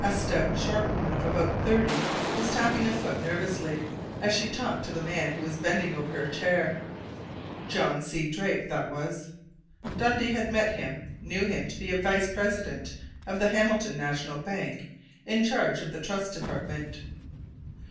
A stout, short woman of about thirty was tapping a foot nervously, as she talked to the man who was bending over her chair. John C. Drake, that was. Dundee had met him, knew him to be a vice president of the Hamilton National Bank, in charge of the trust department.